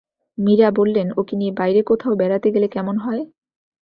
মীরা বললেন, ওকে নিয়ে বাইরে কোথাও বেড়াতে গেলে কেমন হয়?